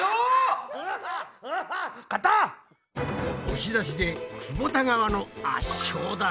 押し出しでくぼた川の圧勝だ！